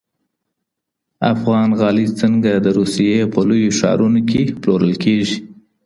افغان غالۍ څنګه د روسیې په لویو ښارونو کي پلورل کيږي؟